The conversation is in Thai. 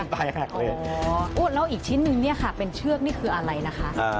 แล้วอีกชิ้นนึงเนี่ยค่ะเป็นเชือกนี่คืออะไรนะคะ